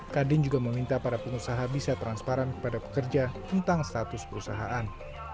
kadin juga meminta para pengusaha bisa transparan kepada pekerja tentang status perusahaan